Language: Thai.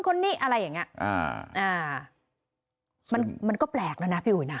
คนนี้อะไรอย่างเงี้ยอ่าอ่ามันมันก็แปลกแล้วนะพี่อุ๋ยนะ